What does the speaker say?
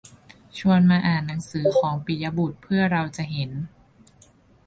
ชวนมาอ่านหนังสือของปิยบุตรเพื่อเราจะเห็น